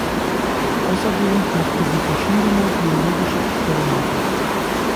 Außerdem machte sie verschiedene biologische Experimente.